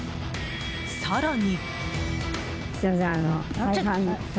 更に。